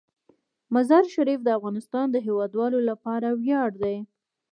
مزارشریف د افغانستان د هیوادوالو لپاره ویاړ دی.